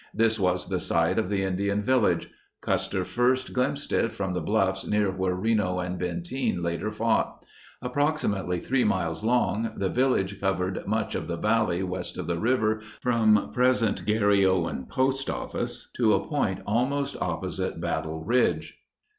This was the site of the Indian village. Custer first glimpsed it from the bluffs near where Reno and Benteen later fought. Ap proximately three miles long, the village covered much of the valley west of the river from present Garryowen Post Office to a point almost opposite Battle Ridge.